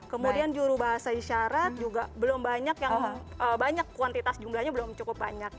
kemudian juru bahasa isyarat juga belum banyak yang banyak kuantitas jumlahnya belum cukup banyak